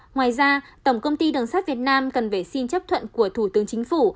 ngoài ra tổng công ty đường sắt việt nam cần vệ sinh chấp thuận của thủ tướng chính phủ